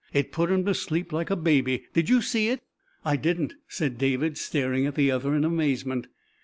It put him to sleep like a baby. Did you see it?" "I didn't," said David, staring at the other in amazement.